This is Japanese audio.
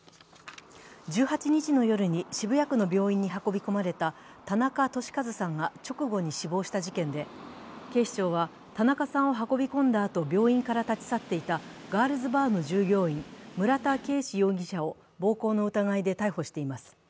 １８日の夜に渋谷区の病院に運び込まれた田中寿和さんが直後に死亡した事件で警視庁は、田中さんを運び込んだあと病院から立ち去っていたガールズバーの従業員、村田圭司容疑者を暴行の疑いで逮捕しています。